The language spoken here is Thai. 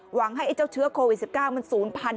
หวังให้ไอ้เจ้าเชื้อโควิด๑๙มันศูนย์พันธุ